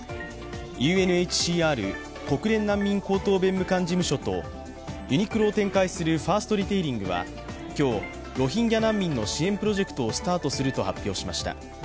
ＵＮＨＣＲ＝国連難民高等弁務官事務所とユニクロを展開するファーストリテイリングは今日ロヒンギャ難民の支援プロジェクトをスタートすると発表しました。